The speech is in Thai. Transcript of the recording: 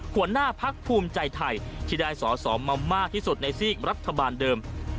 หัวหน้าพักภูมิใจไทยที่ได้สอสอมามากที่สุดในซีกรัฐบาลเดิม